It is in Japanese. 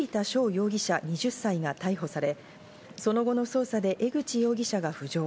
容疑者、２０歳が逮捕され、その後の捜査で江口容疑者が浮上。